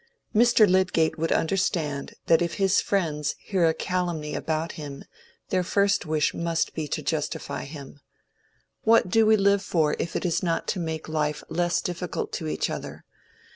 "Mr. Lydgate would understand that if his friends hear a calumny about him their first wish must be to justify him. What do we live for, if it is not to make life less difficult to each other?